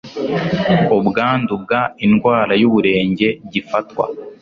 ubwandu bw indwara y uburenge gifatwa